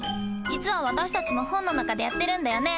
実は私たちも本の中でやってるんだよね。